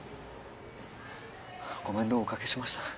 ご面倒をお掛けしました。